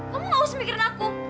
kamu gak usah mikir aku